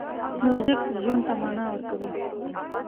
موزیک ژوند ته مانا ورکوي.